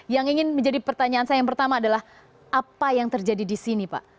yang ingin menjadi pertanyaan saya yang pertama adalah apa yang terjadi di sini pak